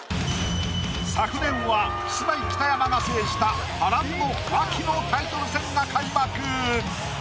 昨年はキスマイ北山が制した波乱の秋のタイトル戦が開幕！